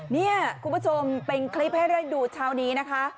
นี่คุณผู้ชมเป็นคลิปให้ได้ดูเช้านี้นะคะ